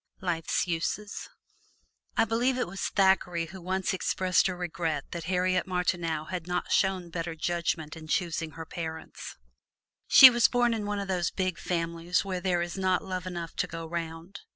Life's Uses [Illustration: HARRIET MARTINEAU] I believe it was Thackeray who once expressed a regret that Harriet Martineau had not shown better judgment in choosing her parents. She was born into one of those big families where there is not love enough to go 'round.